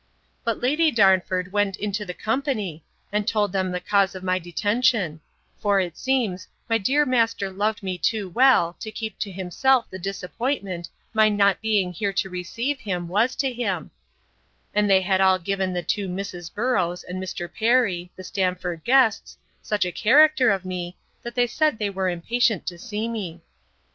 But Lady Darnford went into the company, and told them the cause of my detention; for, it seems, my dear master loved me too well, to keep to himself the disappointment my not being here to receive him, was to him; and they had all given the two Misses Boroughs and Mr. Perry, the Stamford guests, such a character of me, that they said they were impatient to see me.